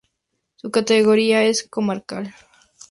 Su categoría es comarcal.